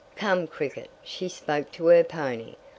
"Come Cricket," she spoke to her pony.